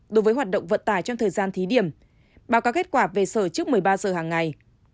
đối với hoạt động vận tải trong thời gian thí điểm báo cáo kết quả về sở trước một mươi ba giờ hàng ngày